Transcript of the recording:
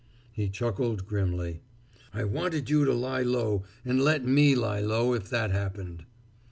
He chuckled grimly. "I wanted you to lie low and let me lie low if that happened.